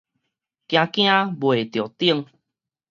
驚驚袂著等